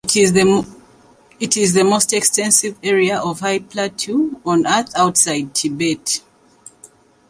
It is the most extensive area of high plateau on Earth outside Tibet.